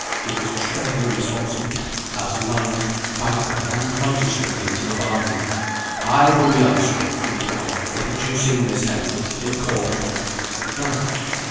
He was trebly responsible as knight, banker, and magistrate into the bargain. "I will be answerable," he replied, "for producing Miss Henley, if called upon. Good night."